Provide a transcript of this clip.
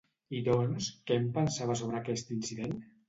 I doncs, què en pensava sobre aquest incident?